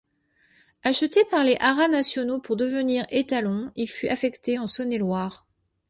Acheté par les Haras nationaux pour devenir étalon, il fut affecté en Saône-et-Loire.